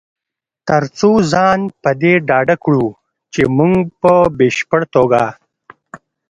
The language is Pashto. تر څو ځان په دې ډاډه کړو چې مونږ په بشپړ توګه